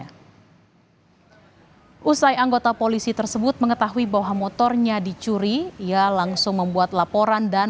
hai usai anggota polisi tersebut mengetahui bahwa motornya dicuri ia langsung membuat laporan dan